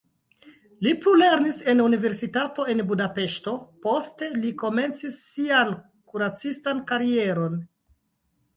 Li plulernis en universitato en Budapeŝto, poste li komencis sian kuracistan karieron.